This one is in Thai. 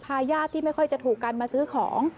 ญาติที่ไม่ค่อยจะถูกกันมาซื้อของ